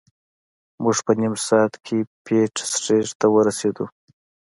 موږ په نیم ساعت کې پیټ سټریټ ته ورسیدو.